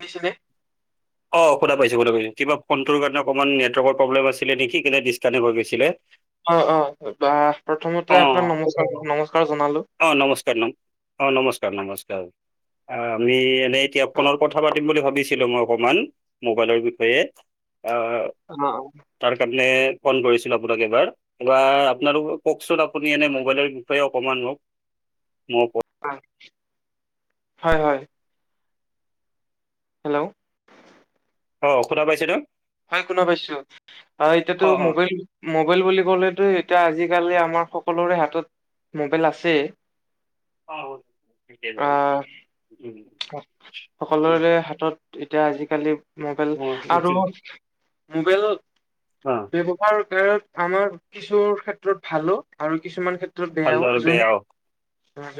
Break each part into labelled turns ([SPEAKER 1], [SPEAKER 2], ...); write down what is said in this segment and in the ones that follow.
[SPEAKER 1] দিছিলে
[SPEAKER 2] অ শুনা পাইছো শুনা পাইছো কিবা ফোনটোৰ কাৰণে অকমান নেটৱৰ্কৰ প্ৰব্লেম আছিলে নেকি সেইকেনে ডিছকানেক হৈ গৈছিলে।
[SPEAKER 1] অ অ বা
[SPEAKER 2] অ
[SPEAKER 1] প্ৰথমতে আপোনাক নমস্কাৰ নমস্কাৰ জনালো।
[SPEAKER 2] অ নমস্কাৰ নম অ নমস্কাৰ নমস্কাৰ, আমি এতিয়া
[SPEAKER 1] অ
[SPEAKER 2] ফোনৰ কথা পাতিম বুলি ভাবিছিলো মই অকমান মোবাইলৰ বিষয়ে আ
[SPEAKER 1] অ অ
[SPEAKER 2] তাৰ কাৰণে ফোন কৰিছিলো আপোনাক এবাৰ, এবাৰ আপোনালোক কওকচোন আপুনি এনে মোবাইলৰ বিষয়ে অকণমান মোক, মো উপত
[SPEAKER 1] অ হয় হয়। হেল্ল',
[SPEAKER 2] অ শুনা পাইছে ন।
[SPEAKER 1] হয় শুনা পাইছো অ এতিয়াতো মোবাইল। মবাইল বুলি ক'লেতো এতিয়া আজিকালি আমাৰ সকলোৰে হাতত মোবাইল আছে।
[SPEAKER 2] অ ঠিকেই বাৰু
[SPEAKER 1] আহ
[SPEAKER 2] উম উম,
[SPEAKER 1] সকলোৰে হাতত এতিয়া আজিকালি মোবাইল
[SPEAKER 2] অ
[SPEAKER 1] আৰু
[SPEAKER 2] উম,
[SPEAKER 1] মোবাইল
[SPEAKER 2] অ,
[SPEAKER 1] ব্যৱ কাৰত [unintelligible] আমাৰ কিছু ক্ষেত্ৰত ভালো আৰু কিছুমান ক্ষেত্ৰত
[SPEAKER 2] ভাল
[SPEAKER 1] বেয়াও
[SPEAKER 2] আৰু বেয়া
[SPEAKER 1] যোনে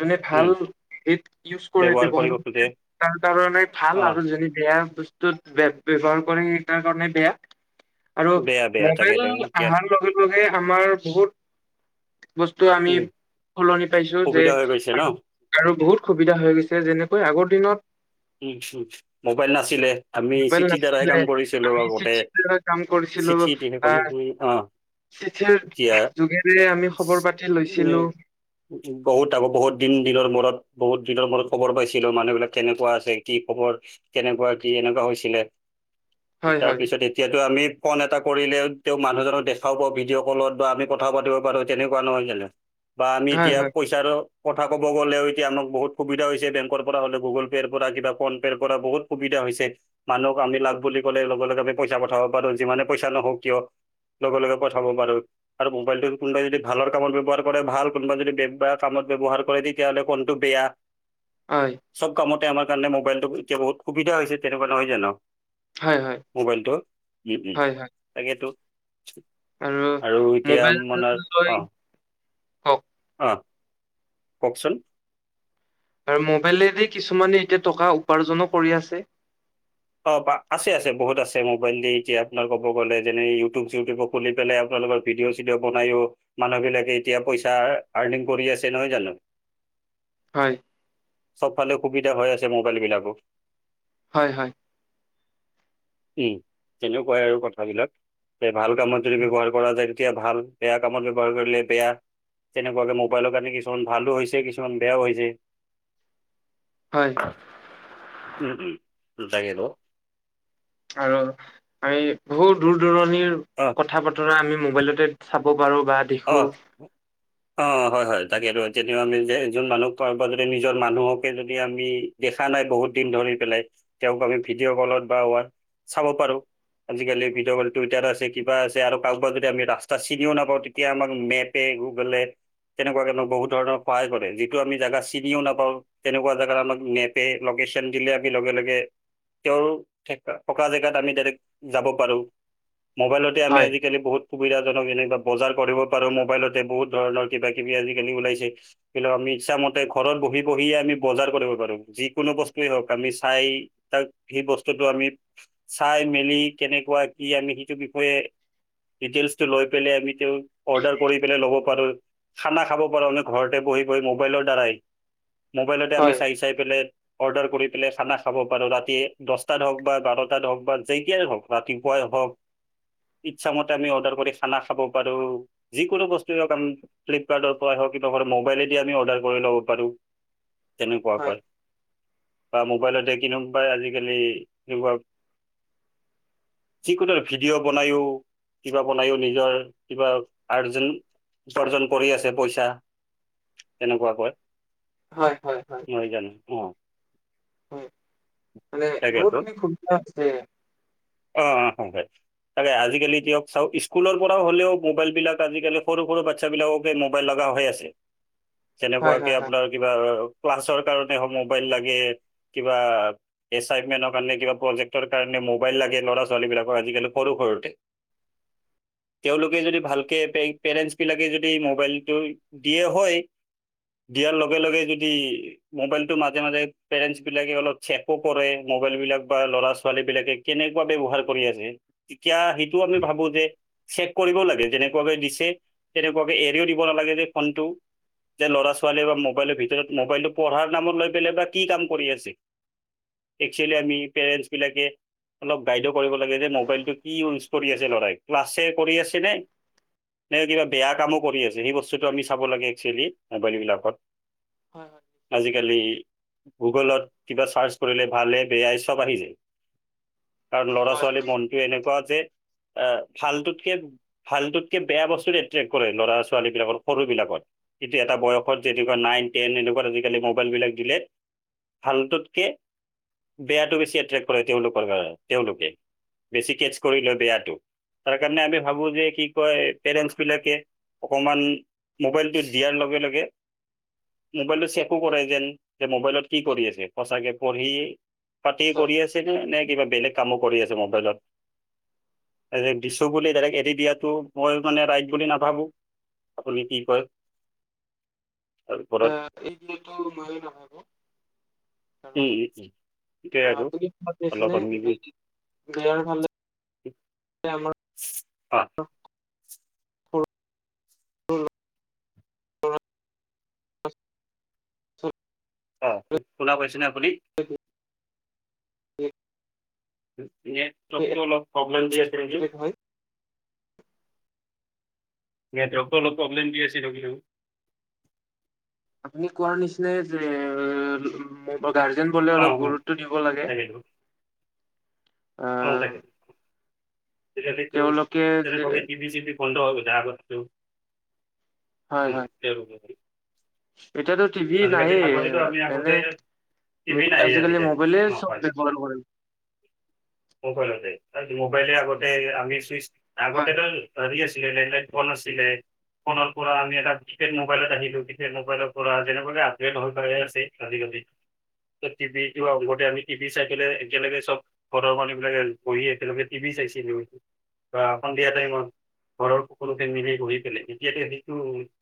[SPEAKER 1] যোনে
[SPEAKER 2] উম
[SPEAKER 1] ভাল সেইত ইউজ কৰে
[SPEAKER 2] ব্যৱহাৰ কৰিব
[SPEAKER 1] বব্যৱহাৰ
[SPEAKER 2] খোজে
[SPEAKER 1] তাৰ কাৰণে ভাল
[SPEAKER 2] অ
[SPEAKER 1] আৰু যোনে বেয়া বস্তুত বব্যৱহাৰ কৰে সেই তাৰ কাৰণে বেয়া। আৰু
[SPEAKER 2] বেয়া বেয়া
[SPEAKER 1] মোবাইল
[SPEAKER 2] তাকেতো এতিয়া
[SPEAKER 1] অহাৰ লগে, লগে আমাৰ বহুত বস্তু আমি
[SPEAKER 2] উম
[SPEAKER 1] সলনি পাইছো যে,
[SPEAKER 2] সুবিধা হৈ গৈছে ন
[SPEAKER 1] আৰু বহুত সুবিধা হৈ গৈছে যেনেকৈ আগৰ দিনত,
[SPEAKER 2] উম মোবাইল নাছিলে আমি
[SPEAKER 1] মোবাইল
[SPEAKER 2] চিঠিৰ দ্বাৰাই
[SPEAKER 1] নাছিলে
[SPEAKER 2] কাম কৰিছিলো
[SPEAKER 1] আমি
[SPEAKER 2] আগতে।
[SPEAKER 1] চিঠি কাম কৰিছিলো
[SPEAKER 2] চিঠি দি সেই কাম
[SPEAKER 1] আহ।
[SPEAKER 2] কৰি- অ
[SPEAKER 1] চিঠিৰ
[SPEAKER 2] এতিয়া
[SPEAKER 1] যোগেৰে আমি খবৰ পাতি লৈছিলো।
[SPEAKER 2] উ বহুত আকৌ বহুত দিন দিনৰ মূৰত বহুত দিনৰ মূৰত খবৰ পাইছিলো মানুহ বিলাক কেনেকুৱা আছিল। কি খবৰ? কেনেকুৱা কি এনেকুৱা হৈছিলে
[SPEAKER 1] হয় হয়
[SPEAKER 2] তাৰপিছত এতিয়াতো আমি ফোন এটা কৰিলে তেওঁ মানুহজনক দেখাপাও ভিডিঅ'কলত বা আমি কথাও পাতিব পাৰো তেনেকুৱা নহয় জানো। বা আমি
[SPEAKER 1] হয়
[SPEAKER 2] এতিয়া
[SPEAKER 1] হয়
[SPEAKER 2] পইচাৰ কথা ক'ব গ'লেও এতিয়া আমাক বহুত সুবিধা হৈছে বেংকৰ পৰা হ'লে গুগল পে'ৰ কৰা কিবা ফোন পে কৰা বহুত সুবিধা হৈছে। মানুহক আমি লাগ বুলি কলে লগে লগে আমি পইচা পঠাব পাৰো যিমানে পইচা নহওক কিয়। লগে লগে পঠাব পাৰোঁ। আৰু মোবাইলটো কোনোবাই যদি ভালৰ কামত ব্যৱহাৰ কৰে ভাল কোনোবা যদি বে বে কাম ব্যয়হাৰ কৰে। তেতিয়া হ'লে ফোনটো বেয়া।
[SPEAKER 1] হয়
[SPEAKER 2] চব কামতে আমাৰ কাৰণে মোবাইলটো এতিয়া বহুত সুবিধা হৈছে তেনেকুৱা নহয় জানো।
[SPEAKER 1] হয় হয়
[SPEAKER 2] মোবাইলটো উম উম
[SPEAKER 1] হয় হয়
[SPEAKER 2] তাকেইতো। আৰু এতিয়া
[SPEAKER 1] মোবাইল
[SPEAKER 2] মানে
[SPEAKER 1] লৈ
[SPEAKER 2] অ,
[SPEAKER 1] কওক
[SPEAKER 2] অ কওকচোন,
[SPEAKER 1] আৰু মোবাইলেৰেদি কিছুমানে এতিয়া টকা উপাৰ্জনো কৰি আছে।
[SPEAKER 2] অ, আছে আছে বহুত আছে মোবাইল দি এতিয়া আপোনাৰ ক'ব গ'লে যেনে ইউটিউব, চিউটিউব খুলি পেলাই আপোনালোকৰ ভিডিঅ' চিডিঅ' বনাইও মানুহ বিলাকে এতিয়া পইচা আৰ্নিং কৰি আছে। নহয় জানো?
[SPEAKER 1] হয়।
[SPEAKER 2] চবফালে সুবিধা হৈ আছে মোবাইল বিলাক।
[SPEAKER 1] হয়, হয়।
[SPEAKER 2] উম, তেনেকুৱাই আৰু কথাবিলাক যে ভাল কামত যদি ব্যৱহাৰ কৰা যায় তেতিয়া ভাল। বেয়া কামত ব্যৱহাৰ কৰিলে বেয়া। তেনেকুৱাকে মোবাইলৰ কাৰণে কিছুমান ভালো হৈছে কিছুমান বেয়াও হৈছে।
[SPEAKER 1] হয়।
[SPEAKER 2] উম, উম। [unintelligible]
[SPEAKER 1] আৰু আমি বহু দূৰ দূৰণিৰ
[SPEAKER 2] অহ।
[SPEAKER 1] কথা-বতৰা আমি মোবাইলতে চাব পাৰোঁ বা দেখো
[SPEAKER 2] অ।
[SPEAKER 1] [inaudible]
[SPEAKER 2] অ হয় হয় তাকে আৰু তেতিয়াও আমি যে যোন মানুহকে যদি নিজৰ মানুহকে যদি আমি। দেখা নাই বহুত দিন ধৰি পেলাই, তেওঁক আমি ভিডিঅ' কলত বা ৱা চাব পাৰোঁ। আজিকালি ভিডিঅ' কল টুইটাৰ আছে কিবা আছে আৰু কাৰো বাক যদি আমি ৰাস্তা চিনিও নাপাওঁ তে তিয়া আমাক মেপে গুগলে এ। তেনেকুৱাকে বহুত ধৰণৰ সহায় কৰে যিটো আমি জাগা চিনিও নাপাওঁ। তেনেকুৱা জেগাত আমাক মেপে লোকেশ্যন দিলে আমি লগে লগে তেওঁৰকা থকা জেগাত আমি ডাইৰেক্ট যাব পাৰো মোবাইলত আমি
[SPEAKER 1] হয়,
[SPEAKER 2] আজিকালি বহুত সুবিধাজন যেনে বা বজাৰ কৰিব পাৰো মোবাইলতে বহুত ধৰণৰ কিবা কিবি আজিকালি ওলাইছে। [unintelligible] আমি ইচ্ছামতে ঘৰত বহি বহিয়ে আমি বজাৰ কৰিব পাৰিম, যিকোনো বস্তুৱেই হওক আমি চাই তাক, সেই বস্তুটো আমি চাই মেলি কেনেকুৱা কি আমি সেইটো বিষয়ে ডিটেইলচটো লৈ পেলাই আমিতো অৰ্ডাৰ কৰি পেলাই ল'ব পাৰোঁ, খানা খাব পাৰোঁ মানে ঘৰতে বহি বহি মোবাইলৰ দ্বাৰাই। মোবাইলতে আমি
[SPEAKER 1] হয়,
[SPEAKER 2] চাই চাই পেলাই অৰ্ডাৰ কৰি পেলাই খানা খাব পাৰো ৰাতি দশটাত হওক বা বাৰটাত হওঁক বা যেইতাই হওক। ৰাতিপুৱাই হওক, ইচ্ছামতে আমি অৰ্ডাৰ কৰি খানা খাব পাৰোঁ। যিকোনো বস্তুয়ে হওক, ফ্লিপকাৰ্টৰ পৰা হওক কিবা মোবাইলেদি আমি অৰ্ডাৰ কৰি ল'ব পাৰোঁ।
[SPEAKER 1] হয়,
[SPEAKER 2] তেনেকুৱাকে। বা মোবাইলতে কিনো পাই আজিকালি, [unintelligible] যিকোনো ভিডিঅ' বনাইও, কিবা বনাইও নিজৰ কিবা আৰ্জন, উপাৰ্জন কৰি আছে পইচা, তেনেকুৱাকৈ।
[SPEAKER 1] হয়, হয়, হয়,
[SPEAKER 2] নহয় জানো অ,
[SPEAKER 1] মানে,
[SPEAKER 2] তাকেতো
[SPEAKER 1] বহুতখিনি সুবিধা আছে।
[SPEAKER 2] অ', অ, [unintelligible] তাকে আজিকালি দিয়ক চাওক স্কুলৰ পৰা হলেও মোবাইল বিলাক আজিকালি সৰু সৰু বা চ্ছা বিলাককে মোবাইল লগা হৈ আছে।
[SPEAKER 1] [unintelligible]
[SPEAKER 2] তেনেকুৱাকে
[SPEAKER 1] হয়, হয়,
[SPEAKER 2] আপোনাৰ কিবা ক্লাছৰ কাৰণে হয় মোবাইল লাগে। কিবা, এচাইনমেনৰ কাৰে কিবা প্ৰজেক্টৰ কাৰণে মোবাইল লাগে। ল'ৰা ছোৱালীবিলাকৰ আজিকালি সৰু সৰুতে। তেওঁলোকে যদি ভালকে পে পেৰেন্টচ বিলাকে যদি মোবাইলটো দিয়ে হয়, দিয়াৰ লগে লগে যদি মোবাইলতো মাজে মাজে পেৰেন্টছ বিলাকে অলপ চেকো কৰে মোবাইল বিলাক পাই ল'ৰা ছোৱালী বিলাকে কেনে [unintelligible] ব্যৱহাৰ কৰি আছে, তেতিয়া সেইটো আমি ভাবো যে চেক কৰিবও লাগে যেনেকুৱাকে দিছে, তেনেকুৱাকে এৰিও দিব নালাগে যে ফোনটো। যে ল'ৰা ছোৱালীয়ে বা মোবাইলৰ ভিতৰত মোবাইলটো পঢ়াৰ নামত লৈ পেলাই বা কি কাম কৰি আছে। একচুৱেলি আমি পেৰন্টছ বিলাকে অলপ গাইডো কৰিব লাগে যে মোবাইলটো কিয় ইউজ কৰি আছে লৰাই, ক্লাছে কৰি আছেনে? নে কিবা বেয়া কামো কৰি আছে সেই বস্তুটো আমি চাব লাগে একচুৱেলি, মোবাইল বিলাকত।
[SPEAKER 1] হয়, হয়।
[SPEAKER 2] আজিকালি গুগলত, কিবা চাৰ্চ কৰিলে ভালে বেয়াই চব আহি যায়। কাৰণ
[SPEAKER 1] হয়,
[SPEAKER 2] ল'ৰা
[SPEAKER 1] হয়,
[SPEAKER 2] ছোৱালীৰ
[SPEAKER 1] হয়
[SPEAKER 2] মনটো এনেকুৱা যে, এ ভালটোতকে ভালটোতকে বেয়া বস্তুটো এট্ৰেক্ট কৰে ল'ৰা ছোৱালী বিলাকৰ সৰু বিলাকত। কিন্তু এটা বয়সত যে এনেকুৱা নাইন টেন এনেকুৱাত আজিকালি মোবাইল বিলাক দিলে। ভালটোতকে, বেয়াটো বেছি এট্ৰেক্ট কৰে তেওঁলোকৰ কাৰ তেওঁলোকে। বেছি কেচ কৰি লয় বেয়াটো, তাৰ কাৰণে আমি ভাবো যে কি কয় পেৰেন্টছ বিলাকে অকমান, মোবাইলটো দিয়াৰ লগে লগে। মোবাইলটো চেকো কৰে যেন, যে মোবাইলত কি কৰি আছে সঁচাকে পঢ়ি পাতি
[SPEAKER 1] নিশ্চয়
[SPEAKER 2] পঢ়ি আছে নে, নে কিবা বেলেগ কামো কৰি আছে মোবাইলত? ডাইৰেক্ট দিছো বুলি ডাইৰেক্ট এৰি দিয়াটো মই মানে ৰাইট বুলি নাভাবো। আপুনি কি কয়? তাৰ ওপৰত
[SPEAKER 1] এই দেতো মইয়ে নাহো ক কাৰণ
[SPEAKER 2] সেইটোৱে
[SPEAKER 1] আ
[SPEAKER 2] আৰু
[SPEAKER 1] আপুনি ঘৰত
[SPEAKER 2] অলপ
[SPEAKER 1] গৈছেনে
[SPEAKER 2] আমি
[SPEAKER 1] [unintelligible]
[SPEAKER 2] [unintelligible] অ',
[SPEAKER 1] সৰু ল'ৰা-ছোৱালী
[SPEAKER 2] অ', শুনা পাইছে নে আপুনি?
[SPEAKER 1] তাকে হে
[SPEAKER 2] ইয়েচ চব টো অলপ প্ৰব্লেম দি আছিল যে
[SPEAKER 1] এট্ৰেক্ট হয়
[SPEAKER 2] নেটৱৰ্কটো অলপ প্ৰব্লেম দি আছিল আজিও
[SPEAKER 1] আপুনি কোৱাৰ নিচিনাই যে মো বা গাৰ্জেন গলে
[SPEAKER 2] অঁ
[SPEAKER 1] অলপ
[SPEAKER 2] অঁ
[SPEAKER 1] গুৰুত্ব দিব লাগে অ
[SPEAKER 2] অ তাকে তেতিয়া হ'লে তই
[SPEAKER 1] তেওঁলোকে যে
[SPEAKER 2] তেনেকোৱা সেই টিভি চিভি ফোনটো অফ যা চত্বেও
[SPEAKER 1] হয়
[SPEAKER 2] উম
[SPEAKER 1] হয়
[SPEAKER 2] স
[SPEAKER 1] এতিয়াতো টিভি নাইয়ে এনে
[SPEAKER 2] আগতে টিভি নাহে
[SPEAKER 1] আজিকালি মোবাইলে
[SPEAKER 2] অঁ
[SPEAKER 1] চব
[SPEAKER 2] হয়
[SPEAKER 1] অনলাইন কৰে
[SPEAKER 2] মোবাইলতে মোবাইলে আগতে আমি চুইচ আগতে
[SPEAKER 1] হয়
[SPEAKER 2] ত হেৰি আছিলে লেন লায়েন ফোন আছিলে ফোনৰ পৰা আমি এটা কি পেড মোবাইলত আহিলো কি পেড মোবাইলৰ পৰা যেনেকোৱাকে আপগ্ৰেড হৈ গৈ আছে আজিকালি টিভিতো আগতে আমি টিভি চাই পেলাই একেলগে চব ঘৰৰ মানুহবিলাকে বহি একেলগে টিভি চাইছিল বা সন্ধিয়া টাইমত ঘৰৰ সকলোতে নিজে বহি পেলাই এতিয়া সেইটো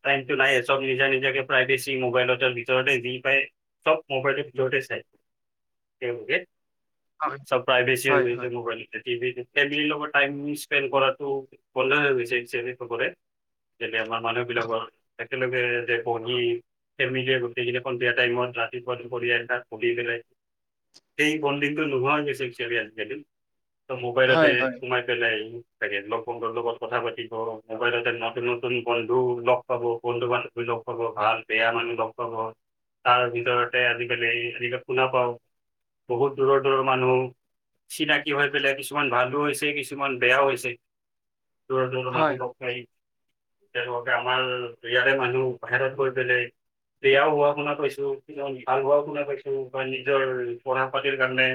[SPEAKER 2] টাইমটো নাই চব নিজা নিজা কে প্ৰাইভেচি মোবাইলৰ ভিতৰতে যি পায় চব মোবাইলটোৰ ভিতৰতে চাই একেলগে
[SPEAKER 1] হয়
[SPEAKER 2] চব প্ৰাইভেছি ইউজ
[SPEAKER 1] হয় হয়
[SPEAKER 2] হৈছে মোবাইল। টিভিতো ফেমিলিৰ লগত টাইম স্পেড কৰাটো বন্ধ হৈ গৈছে একচোৱেলি চবতে যে আমাৰ মানুহ বিলাকৰ একেলগে যে বহি সেনেকে গোটেইকেইটা সন্ধিয়া টাইমত ৰাতিপুৱা দুপৰীয়া তাত বহি পেলাই সেই বনডিংটো নোহোৱা হৈ গৈছে একচোৱেলি আজি কালি চব মোবাইলতে
[SPEAKER 1] হয় হয়
[SPEAKER 2] সোমাই পেলাই তাকে লগ বন্ধুৰ লগত কথা পাতিব মোবাইলতে নতুন নতুন বন্ধু লগ পাব বন্ধু বান্ধৱী লগ পাব ভাল বেয়া মানুহ লগ পাব। তাৰ ভিতৰতে আজিকালি আজি কা শুনা পাও বহুত দূৰৰ দূৰৰ মানুহ চিনাকি হৈ পেলাই কিছুমান ভালো হৈছে কিছুমান বেয়াও হৈছে। দূৰৰ দূৰৰ
[SPEAKER 1] হয়
[SPEAKER 2] মানুহ লগ পাই তেওঁলোক আমাৰ ইয়াৰে মানুহ বাহিৰত গৈ পেলাই বেয়াও হোৱা শুনা পাইছো যি নহক ভাল হোৱাও শুনা পাইছো বা নিজৰ পঢ়া পাতিৰ কাৰণে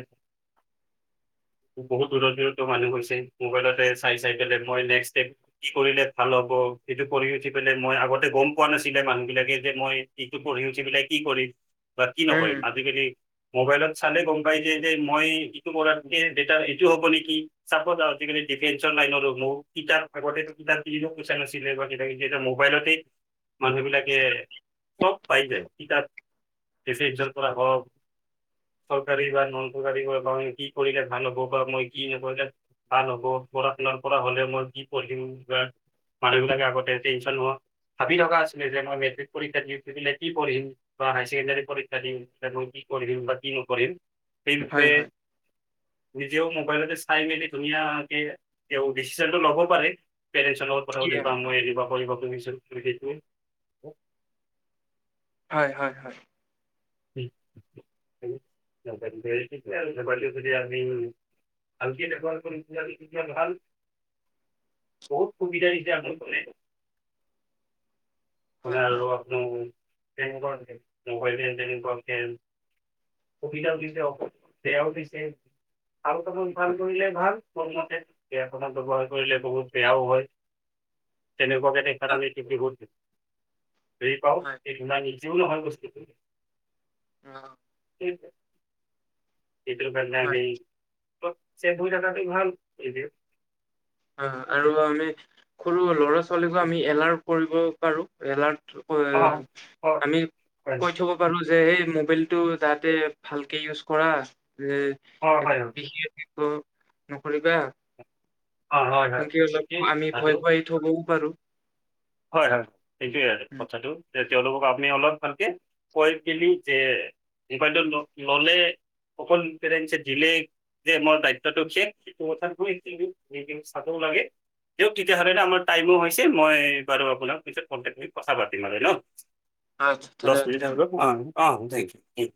[SPEAKER 2] বহুত দূৰত দূৰতো মানুহ হৈছে মোবাইলতে চাই চাই পেলাই মই নেক্সট ষ্টেপ কি কৰিলে ভাল হ'ব সেইটো কৰি উঠি পেলাই মই আগতে গম পোৱা নাছিলে মানুহ বিলাকে যে মই এইটো পঢ়ি উঠি পেলাই কি পঢ়িম বা কি
[SPEAKER 1] উম
[SPEAKER 2] নকৰিম
[SPEAKER 1] উম
[SPEAKER 2] আজিকালি মোবাইলত চালে গম পাই যাই যে মই ইটো কৰাতকে বেটাৰ এইটো হব নেকি? চাপজ আজিকালি ডিফেন্ঞ্চৰ লাইনৰো বহুতকেইটা আগতেটো কিতাপ কিনিলেও পইচা নাছিলে ধৰ এতিয়া কিন্তু এতিয়া মোবাইলতে মানুহ বিলাকে চব পাই যায় কিতাপ। বেছি ৰিজাল্ট কৰা হওক চৰকাৰী বা নন চৰকাৰী হওক মই কি কৰিলে ভাল হ'ব পাৰু, মই কি নকৰিলে ভাল হ'ব পঢ়া শুনা কৰা হ'লেও মই কি পঢ়িম বা মানুহ বিলাকে আগতে টেনশ্যন নোহোৱা ভাবি থকা আছিলে যে মই মেট্ৰিক পৰীক্ষা দি পেলাই কি পঢ়িম বা হায় ছেকেণ্ডাৰী পৰীক্ষা দিম মই কি কৰিম বা কি নকৰিম সেই
[SPEAKER 1] হয়
[SPEAKER 2] বিষয়ে
[SPEAKER 1] হয়
[SPEAKER 2] নিজেও মোবাইলতে চাই মেলি ধুনীয়াকে তেওঁ ডিচিচনটো ল'ব পাৰে পেৰেণ্টছৰ লগত কথা
[SPEAKER 1] কি
[SPEAKER 2] পাতি বা মই এৰি বা কৰিবতো নিবিচাৰো সেইটোৱে
[SPEAKER 1] হয় হয় হয়।
[SPEAKER 2] বেয়া সেইটোৱে আৰু মোবাইলটো যদি আমি ভালকে ব্যৱহাৰ কৰিলে আমি তেতিয়া ভাল বহুত সুবিধা দিছে [unintelligible]
[SPEAKER 1] হয়
[SPEAKER 2] [unintelligible] সুবিধা উঠিছে অক বেয়াও উঠিছে ভাল কাম ভাল কৰিলে ভাল মোৰ মতে বেয়া কামত ব্যৱহাৰ কৰিলে বহুত বেয়াও হয়। তেনেকুৱাকে দেখা দালে টি দিভৌজ দিম। হেৰি পাও
[SPEAKER 1] হয়
[SPEAKER 2] ই ইমান ইজিও নহয় বস্তুটো
[SPEAKER 1] অ।
[SPEAKER 2] সেইটোৰ কাৰণে
[SPEAKER 1] হয়
[SPEAKER 2] আমি। কত চে ধুইদাটে ভাল দি দিওঁ।
[SPEAKER 1] অ আৰু আমি সৰু ল'ৰা ছোৱালীকো আমি এলাৰ্ট কৰিব পাৰো এলাৰ্ট
[SPEAKER 2] অঁ
[SPEAKER 1] [unintelligible]
[SPEAKER 2] হয়
[SPEAKER 1] আমি
[SPEAKER 2] হয়
[SPEAKER 1] কৈ থব পাৰো যে সেই মোবাইলটো যাতে ভালকে ইউজ কৰা যে
[SPEAKER 2] হয় হয়
[SPEAKER 1] বিশেষ কি অ নকৰিবা
[SPEAKER 2] হয়
[SPEAKER 1] সেংকে অলপ
[SPEAKER 2] হয়
[SPEAKER 1] আমি ভয় ভাই থবও পাৰোঁ।
[SPEAKER 2] হয় হয় হয় এইটোৱে আৰু
[SPEAKER 1] উম,
[SPEAKER 2] কথাটো। তেওঁলোকক আমি অলপ ভালকে কৈ দিলি যে মোবাইলতো ললে অকল পেৰেনছে দিলেই যে মোৰ দায়িত্বটো শেষ সেইটো কথাত মই ঠেংকিও দি দিওঁ চাবও লাগে। দিয়ক তেতিয়াহলে আমাৰ টাইমো হৈছে মই বাৰু আপোনাক পিছত কণ্টেক কৰি কথা পাতিম আৰু ন
[SPEAKER 1] আ
[SPEAKER 2] দহ
[SPEAKER 1] ধন্যবাদ।
[SPEAKER 2] মিনিট হৈ গ'ল। অ অ থেংকিউ।